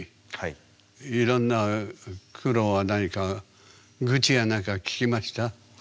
いろんな苦労は何か愚痴や何か聞きました？